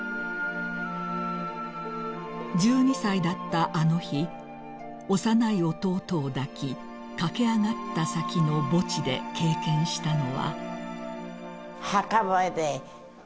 ［１２歳だったあの日幼い弟を抱き駆け上がった先の墓地で経験したのは］